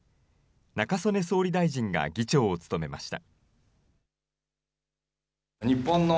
中曽根総理大臣が議長を務めました。